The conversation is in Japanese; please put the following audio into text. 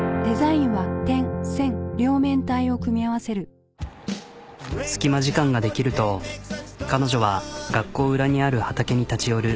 やっぱり隙間時間ができると彼女は学校裏にある畑に立ち寄る。